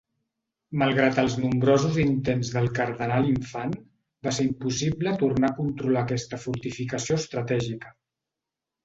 Malgrat els nombrosos intents del Cardenal-Infant va ser impossible tornar a controlar aquesta fortificació estratègica.